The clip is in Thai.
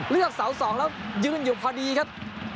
เลือกเสาสองแล้วยืนอยู่พอดีครับ